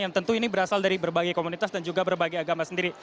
yang tentu ini berasal dari berbagai komunitas dan juga berbagai agama sendiri